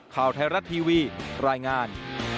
ข่าวไทยรัฐทีวีรายงาน